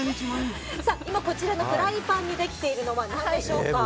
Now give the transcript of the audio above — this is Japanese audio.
今、こちらのフライパンにできているのは何でしょうか。